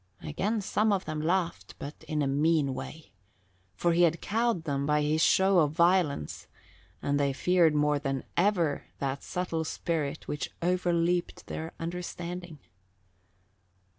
Again some of them laughed, but in a mean way, for he had cowed them by his show of violence and they feared more than ever that subtle spirit which over leaped their understanding.